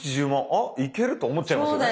あいけると思っちゃいますよね。